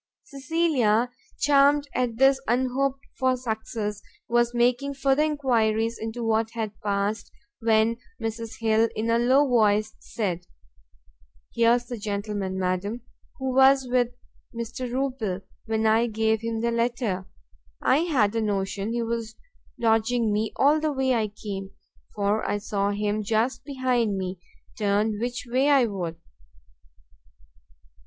Cecilia, charmed at this unhoped for success, was making further enquiries into what had passed, when Mrs Hill, in a low voice, said, "There's the gentleman, madam, who was with Mr. Rupil when I gave him the letter. I had a notion he was dodging me all the way I came, for I saw him just behind me, turn which way I would."